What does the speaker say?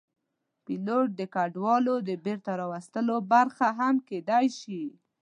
پیلوټ د کډوالو د بېرته راوستلو برخه هم کېدی شي.